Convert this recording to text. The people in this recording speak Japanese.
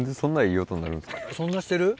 そんなしてる？